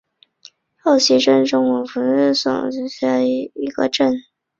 后溪镇是中国福建省厦门市集美区下辖的一个镇。